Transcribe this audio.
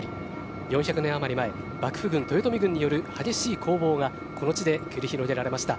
４００年余り前幕府軍、豊臣軍による激しい攻防がこの地で繰り広げられました。